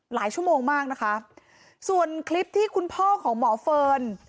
ชั่วโมงมากนะคะส่วนคลิปที่คุณพ่อของหมอเฟิร์น